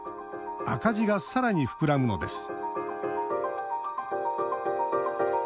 赤字がさらに膨らむのです